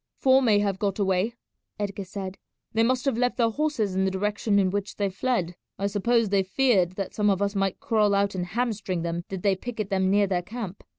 "Four may have got away," Edgar said; "they must have left their horses in the direction in which they fled. I suppose they feared that some of us might crawl out and hamstring them did they picket them near their camp.